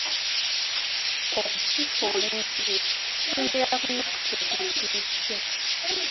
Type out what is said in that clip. Okugifuula ensirifu kisinziira ku nnyukuta egiddiridde.